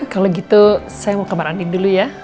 kalo gitu saya mau kemar andi dulu ya